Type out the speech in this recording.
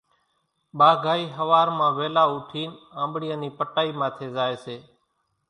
ٻاگھائِي ۿوار مان ويلا اوٺينَ آنٻڙِيئان نِي پٽائِي ماٿيَ زائيَ سي۔